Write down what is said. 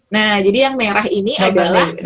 nah jadi yang merah ini adalah